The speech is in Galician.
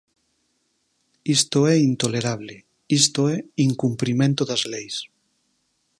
Isto é intolerable, isto é incumprimento das leis.